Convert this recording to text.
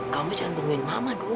kamu jangan pengen mama dulu